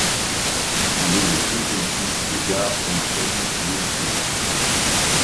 Il est le deuxième fils de Gar Tongtsen Yülsung.